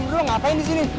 m dua ngapain disini